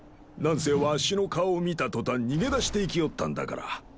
なんせわしの顔を見た途端逃げ出していきおったんだから。